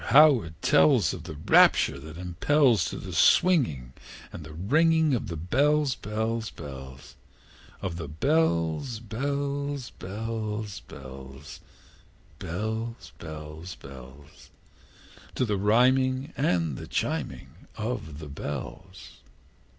how it tells Of the rapture that impels To the swinging and the ringing Of the bells, bells, bells, Of the bells, bells, bells, bells, Bells, bells, bells To the rhyming and the chiming of the bells!